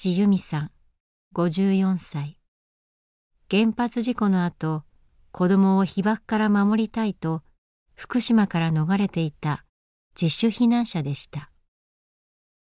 原発事故のあと子どもを被ばくから守りたいと福島から逃れていた「自主避難者」でした。